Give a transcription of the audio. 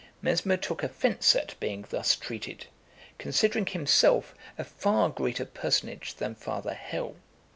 Mesmer took offence at being thus treated, considering himself a far greater personage than Father Hell.